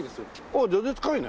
ああ全然近いね。